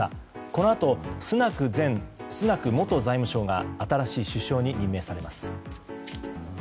このあと、スナク元財務相が新しい首相に任命されます。